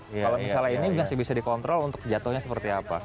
kalau misalnya ini masih bisa dikontrol untuk jatuhnya seperti apa